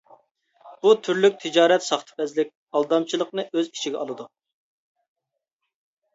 بۇ تۈرلۈك تىجارەت ساختىپەزلىك، ئالدامچىلىقنى ئۆز ئىچىگە ئالىدۇ.